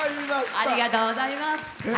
ありがとうございます。